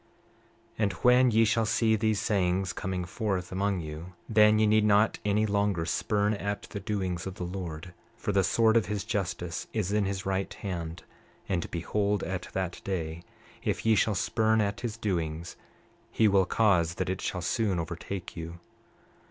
29:4 And when ye shall see these sayings coming forth among you, then ye need not any longer spurn at the doings of the Lord, for the sword of his justice is in his right hand; and behold, at that day, if ye shall spurn at his doings he will cause that it shall soon overtake you.